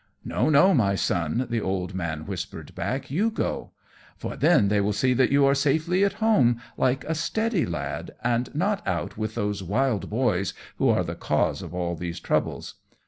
"No, no, my Son!" the old man whispered back, "you go; for then they will see that you are safely at home, like a steady lad, and not out with those wild boys, who are the cause of all these troubles.